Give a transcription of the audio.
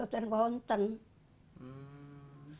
tidak seperti apa